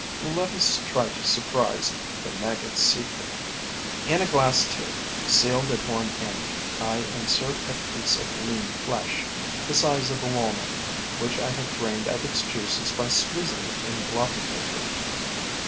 Let us try to surprise the maggot's secret. In a glass tube, sealed at one end, I insert a piece of lean flesh, the size of a walnut, which I have drained of its juices by squeezing it in blotting paper.